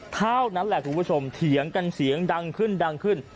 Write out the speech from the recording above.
เท่านั้นแหละคุณผู้ชมเถียงกันเสียงดังขึ้นดังขึ้น